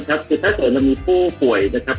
คือถ้าเติ่ลแล้วมีผู้โภโอไว้